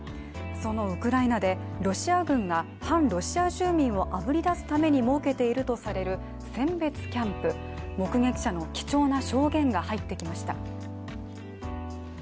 そのウクライナでロシア軍が反ロシア住民をあぶり出すために設けているとされる選別キャンプ目撃者の貴重な証言が入ってきました。